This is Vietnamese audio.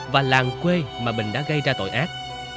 và làng quê mà mình đã gây ra tội ác